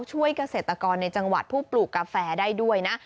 ช่วยเกษตรกรในจังหวัดผู้ปลูกกาแฟได้ด้วยนะ